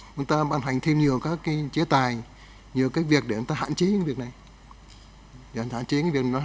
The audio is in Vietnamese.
chúng ta bàn hành thêm nhiều các chế tài nhiều các việc để chúng ta hạn chế những việc này